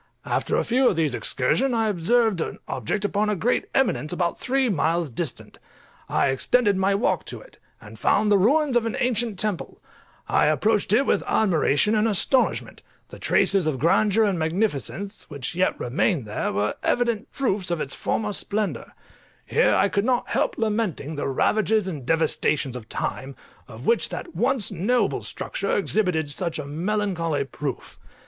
After a few of these excursions I observed an object upon a great eminence about three miles distant: I extended my walk to it, and found the ruins of an ancient temple: I approached it with admiration and astonishment; the traces of grandeur and magnificence which yet remained were evident proofs of its former splendour: here I could not help lamenting the ravages and devastations of time, of which that once noble structure exhibited such a melancholy proof.